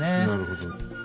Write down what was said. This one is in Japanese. なるほど。